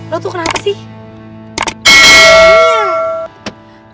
lo tuh kenapa sih